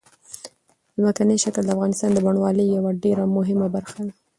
ځمکنی شکل د افغانستان د بڼوالۍ یوه ډېره مهمه برخه ده.